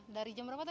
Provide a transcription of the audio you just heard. dari jam berapa tadi